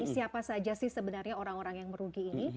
siapa saja sih sebenarnya orang orang yang merugi ini